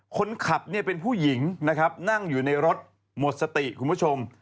คนขับเป็นผู้หญิงนั่งอยู่ในรถหมดสติคุณผู้ชม